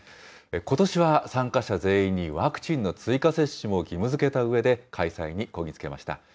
ことしは参加者全員にワクチンの追加接種を義務づけたうえで、開催にこぎ着けました。